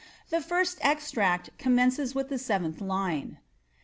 The first extract commences with the seventh line.